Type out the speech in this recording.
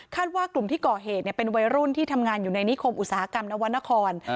ว่ากลุ่มที่ก่อเหตุเป็นวัยรุ่นที่ทำงานอยู่ในนิคมอุตสาหกรรมนวรรณคร